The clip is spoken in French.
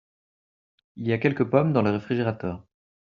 Il y a quelques pommes dans le réfrigérateur.